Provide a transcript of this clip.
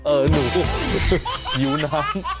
เออหนูอยู่น้ำ